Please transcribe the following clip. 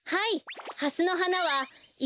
はい。